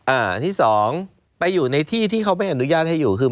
อ่าที่สองไปอยู่ในที่ที่เขาไม่อนุญาตให้อยู่คือ